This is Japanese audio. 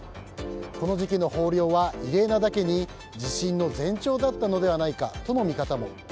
この時期の豊漁は異例なだけに地震の前兆だったのではないかとの見方も。